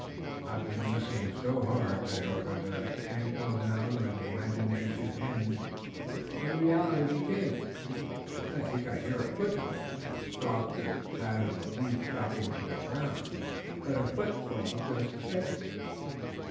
I've been listening so hard, Tayoga, that I can't tell now where imagination ends and reality begins, but I think I hear a footfall, as soft as that of a leaf dropping to the ground, but a footfall just the same."